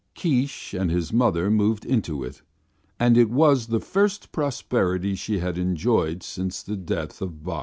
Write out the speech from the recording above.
Keesh and his mother moved into it, and it was the first prosperity she had enjoyed since the death of Bok.